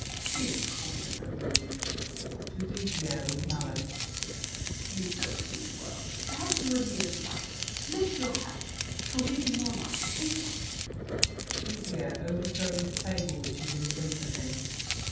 These commoners are rude. [To Didier, with malice.] You don't read well; Perhaps you are near sighted. Lift your hat, 'Twill give you more light. Take it off. DIDIER (overthrowing the table which is in front of him).